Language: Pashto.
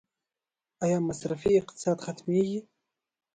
آیا مصرفي اقتصاد ختمیږي؟